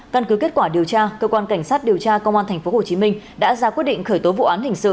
căn cứ kết quả điều tra cơ quan cảnh sát điều tra công an tp hcm đã ra quyết định khởi tố vụ án hình sự